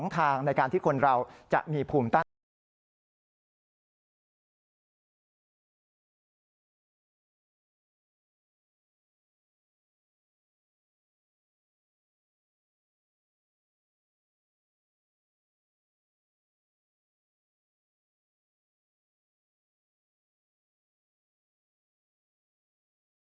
๒ทางในการที่คนเราจะมีภูมิต้านในระยะยาว